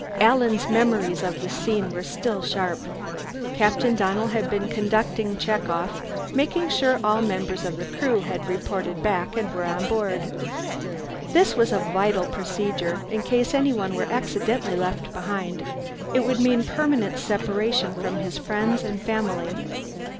Alan's memories of the scene were still sharp. Captain Donnell had been conducting check off, making sure all members of the Crew had reported back and were aboard. This was a vital procedure; in case anyone were accidentally left behind, it would mean permanent separation from his friends and family.